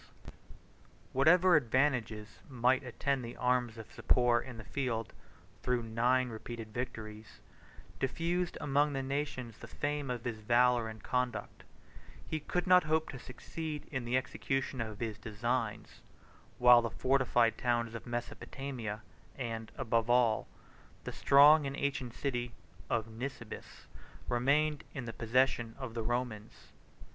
] Whatever advantages might attend the arms of Sapor in the field, though nine repeated victories diffused among the nations the fame of his valor and conduct, he could not hope to succeed in the execution of his designs, while the fortified towns of Mesopotamia, and, above all, the strong and ancient city of Nisibis, remained in the possession of the Romans.